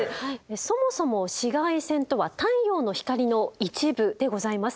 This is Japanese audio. そもそも紫外線とは太陽の光の一部でございます。